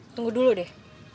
tunggu dulu deh